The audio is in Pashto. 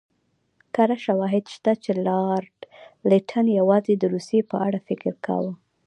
کره شواهد شته چې لارډ لیټن یوازې د روسیې په اړه فکر کاوه.